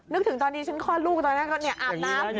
ถึงตอนนี้ฉันคลอดลูกตอนนั้นก็อาบน้ำ